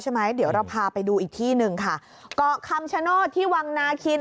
ใช่ไหมเดี๋ยวเราพาไปดูอีกที่หนึ่งค่ะเกาะคำชโนธที่วังนาคิน